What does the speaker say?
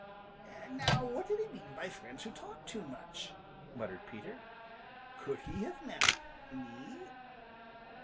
"Now what did he mean by friends who talk too much," muttered Peter. "Could he have meant me?"